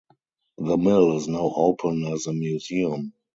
The mill is now open as a museum.